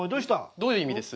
どういう意味です？